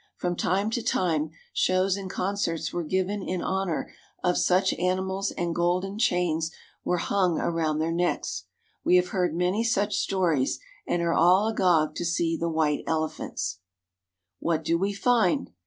From time to time shows and concerts were given in honor of such animals and golden chains were hung around their necks. We have heard many such stories and are all agog to see the white elephants. 198 THE KING OF SIAM AND HIS GOVERNMENT What do we find